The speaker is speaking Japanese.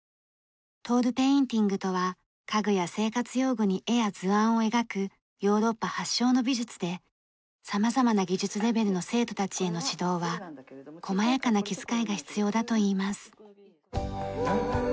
トールペインティングとは家具や生活用具に絵や図案を描くヨーロッパ発祥の美術で様々な技術レベルの生徒たちへの指導は細やかな気遣いが必要だといいます。